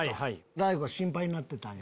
大悟心配になってたんや。